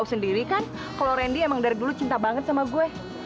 lo tau sendiri kan kalau rendy emang dari dulu cinta banget sama gue